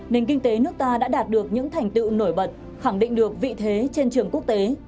nền kinh tế nước ta đã đạt được những thành tựu nổi bật khẳng định được vị thế trên trường quốc tế